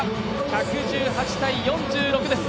１１８−４６です。